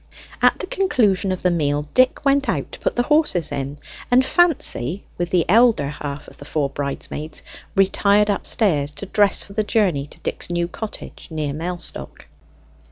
At the conclusion of the meal Dick went out to put the horse in; and Fancy, with the elder half of the four bridesmaids, retired upstairs to dress for the journey to Dick's new cottage near Mellstock.